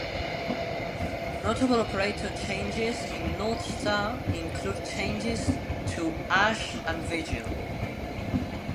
Notable operator changes in "North Star" include changes to Ash and Vigil.